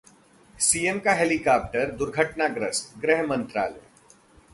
CM का helicopter दुर्घटनाग्रस्त: गृहमंत्रालय